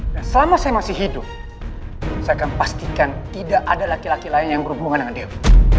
nah selama saya masih hidup saya akan pastikan tidak ada laki laki lain yang berhubungan dengan dia